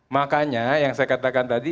makanya yang saya katakan tadi